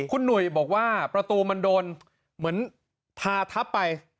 คุณหนุ่ยบอกว่าประตูมันโดนเหมือนทาทับไป